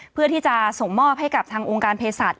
เพื่อที่จะส่งมอบให้กับทางองค์การเพศศาสต